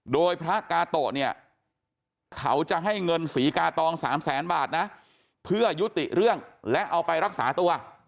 โดยพระกาโตะเนี่ยเขาจะให้เงินศรีกาตอง๓แสนบาทนะเพื่อยุติเรื่องและเอาไปรักษาตัว